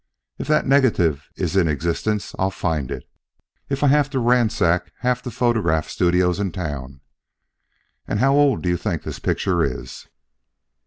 If that negative is in existence, I'll find it, if I have to ransack half the photograph studios in town. About how old do you think this picture is?"